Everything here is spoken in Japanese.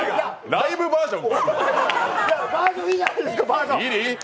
ライブバージョン